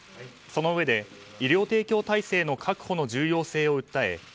そのうえで医療提供体制の確保の重要性を訴え